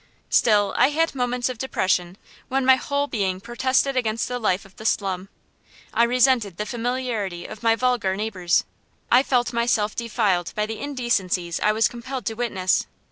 Still I had moments of depression, when my whole being protested against the life of the slum. I resented the familiarity of my vulgar neighbors. I felt myself defiled by the indecencies I was compelled to witness.